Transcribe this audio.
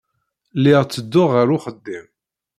Lliɣ ttedduɣ ɣer uxeddim.